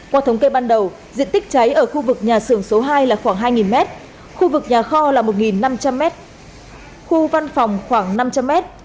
qua thống kê ban đầu diện tích cháy ở khu vực nhà xưởng số hai là khoảng hai m khu vực nhà kho là một năm trăm linh m khu văn phòng khoảng năm trăm linh m